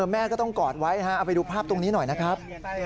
แม่ก็ต้องกอดไว้เอาไปดูภาพตรงนี้หน่อยนะครับ